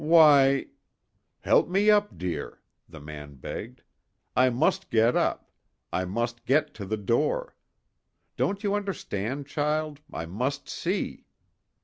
"Why " "Help me up, dear," the man begged. "I must get up. I must get to the door. Don't you understand, child I must see."